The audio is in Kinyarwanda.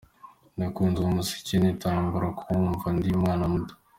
"Nakunze uwo muziki nkitangura kuwumva ndi umwana muto.